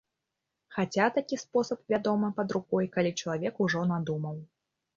Хаця, такі спосаб, вядома, пад рукой, калі чалавек ужо надумаў.